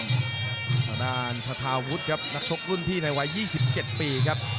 ข้างด้านคาทาวุทธครับนักชกรุ่นพี่ในวัยยี่สิบเจ็ดปีครับ